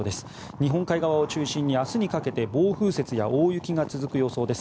日本海側を中心に明日にかけて暴風雪や大雪が続く予想です。